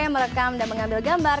merekam dan mengambil gambar